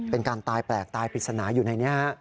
เป็นการตายแปลกตายปริศนาอยู่ในนี้